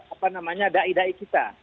apa namanya da'i da'i kita